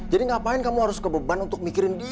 jadi ngapain kamu harus kebeban untuk menghidupkan dia